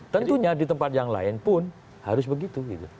tentunya di tempat yang lain pun harus begitu